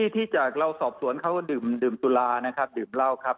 ที่จากเราสอบสวนเขาก็ดื่มสุรานะครับดื่มเหล้าครับ